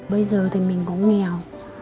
bây giờ thì mình cũng nghèo